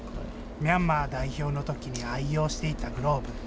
ミャンマー代表のときに愛用していたグローブ。